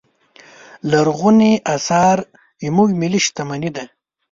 لرغوني اثار زموږ ملي شتمنې ده.